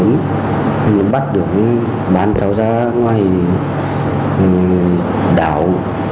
nên bắt được bán cháu ra ngoài đảo